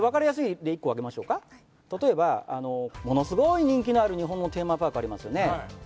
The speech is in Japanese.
例えばものスゴイ人気のある日本のテーマパークありますよね